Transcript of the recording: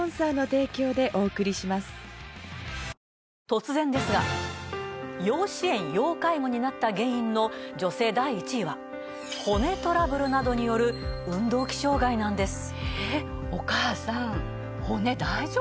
突然ですが要支援・要介護になった原因の女性第１位は骨トラブルなどによる運動器障害なんです。